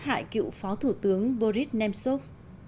sát hại cựu phó thủ tướng boris nemtsov